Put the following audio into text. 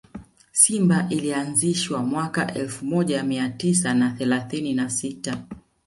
Simba ilianzishwa mwaka elfu moja mia tisa na thelathini na sita